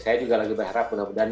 saya juga lagi berharap mudah mudahan